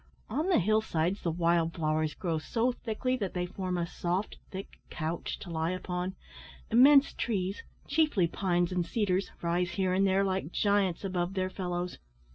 On the hill sides the wild flowers grow so thickly that they form a soft, thick couch to lie upon, immense trees, chiefly pines and cedars, rise here and there like giants above their fellows.